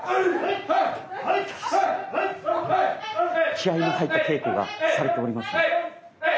気合いの入った稽古がされております。